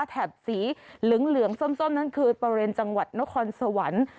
สีเหลืองส้มนั่นคือบริเวณจังหวัดนครสวรรค์